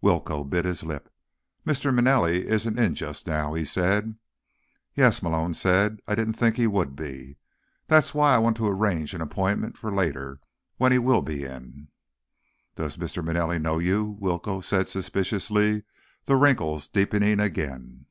Willcoe bit his lip. "Mr. Manelli isn't in just now," he said. "Yes," Malone said. "I didn't think he would be. That's why I want to arrange an appointment for later, when he will be in." "Does Mr. Manelli know you?" Willcoe said suspiciously, the wrinkles deepening again.